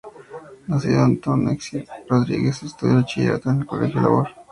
Nacido Antón Reixa Rodríguez, estudia el bachillerato en el Colegio Labor.